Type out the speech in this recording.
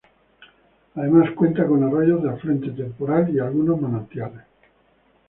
Además cuenta con arroyos de afluente temporal y algunos manantiales.